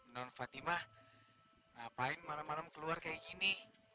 nur fatimah ngapain malem malem keluar kayak gini